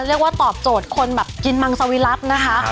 เรียกว่าตอบโจทย์คนแบบกินมังสวิรัตินะคะ